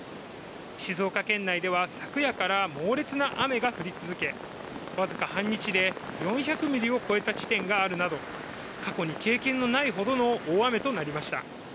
静岡県内では昨夜から猛烈な雨が降り続け、わずか半日で４００ミリを超えた地点があるなど過去に経験のないほどの大雨となりました。